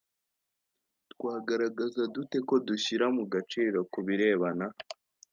Twagaragaza dute ko dushyira mu gaciro ku birebana